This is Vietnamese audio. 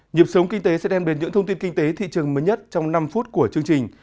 nhịp sống kinh tế sẽ đem đến những thông tin kinh tế thị trường mới nhất trong năm phút của chương trình